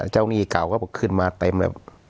เจ้าหนี้เก่าก็ขึ้นมาเต็มแบบ